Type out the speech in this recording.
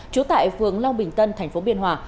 trú tại phường long bình tân tp biên hòa